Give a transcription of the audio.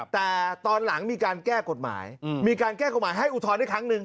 แต่ตอนหลังมีการแก้กฎหมายมีการแก้กฎหมายให้อุทธรณ์ได้ครั้งหนึ่ง